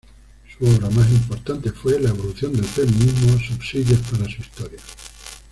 Su obra más importante fue "La evolución del feminismo: subsidios para su historia".